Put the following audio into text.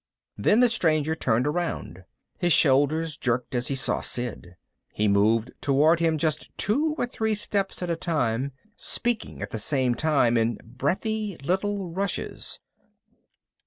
Then the stranger turned around. His shoulders jerked as he saw Sid. He moved toward him just two or three steps at a time, speaking at the same time in breathy little rushes.